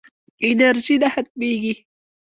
انرژي نه ختمېږي.